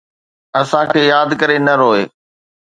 اسان کي ياد ڪري نه روءِ